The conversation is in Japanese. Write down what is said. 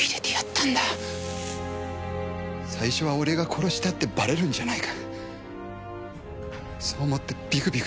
最初は俺が殺したってバレるんじゃないかそう思ってビクビクしてた。